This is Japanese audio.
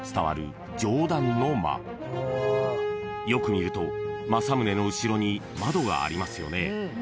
［よく見ると政宗の後ろに窓がありますよね］